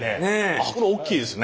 あっこれ大きいですね。